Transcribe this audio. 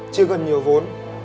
chưa cần nhiều vốn